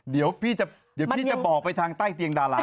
เดี๋ยวพี่จะบอกไปทางใต้เตียงดารา